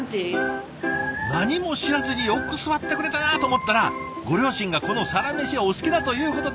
何も知らずによく座ってくれたなと思ったらご両親がこの「サラメシ」がお好きだということで。